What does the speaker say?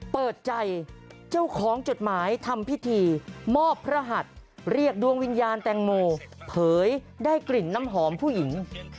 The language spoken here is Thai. เปิดใจเจ้าของจดหมายทำพิธีมอบพระหัสเรียกดวงวิญญาณแตงโมเผยได้กลิ่นน้ำหอมผู้หญิง